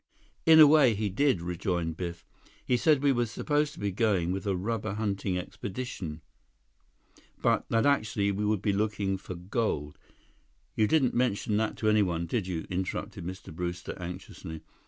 "In a way, he did," rejoined Biff. "He said we were supposed to be going with a rubber hunting expedition, but that actually we would be looking for gold—" "You didn't mention that to anyone, did you?" interrupted Mr. Brewster anxiously.